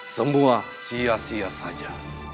semua sia sia saja